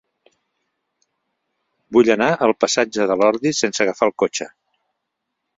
Vull anar al passatge de l'Ordi sense agafar el cotxe.